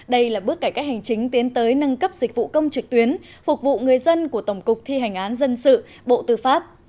đây là bước cải cách hành chính tiến tới nâng cấp dịch vụ công trực tuyến phục vụ người dân của tổng cục thi hành án dân sự bộ tư pháp